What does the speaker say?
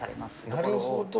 なるほど。